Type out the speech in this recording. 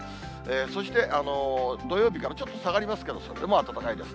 そして土曜日からちょっと下がりますけど、それでも暖かいです。